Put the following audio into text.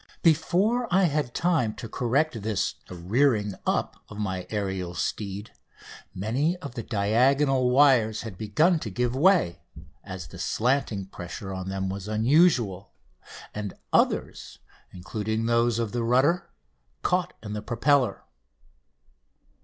Before I had time to correct this "rearing up" of my aerial steed many of the diagonal wires had begun to give way, as the slanting pressure on them was unusual, and others, including those of the rudder, caught in the propeller.